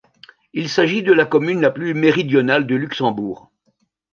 Il s'agit de la commune la plus méridionale du Luxembourg.